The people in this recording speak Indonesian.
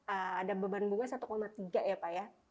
ada beban bunga satu tiga ya pak ya